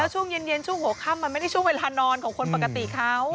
ช่วงเย็นช่วงหัวค่ำมันไม่ได้ช่วงเวลานอนของคนปกติเขา